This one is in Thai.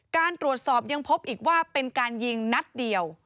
การตรวจสอบยังพบอีกว่าเป็นการยิงนัดเดียว